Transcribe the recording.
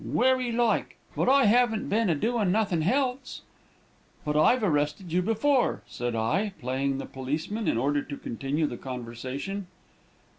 "'Werry like. But I 'aven't been a doin' nuthin' helse.' "'But I've arrested you before,' said I, playing the policeman, in order to continue the conversation.